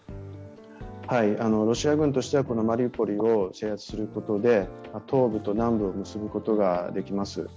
ロシア軍としては、このマリウポリを制圧することで東部と南部を結ぶことができます。